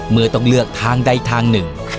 เมื่อต้องเลือกทางใดทางหนึ่ง